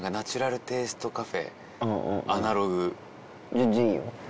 全然いいよ。